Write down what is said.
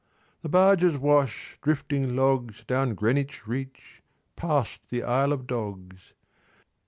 The barges wash Drifting logs Down Greenwich reach Past the Isle of Dogs.